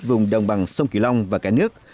vùng đồng bằng sông cửu long và cả nước